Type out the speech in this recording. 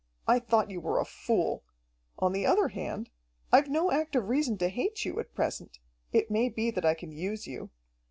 I thought you were a fool. On the other hand, I've no active reason to hate you, at present. It may be that I can use you.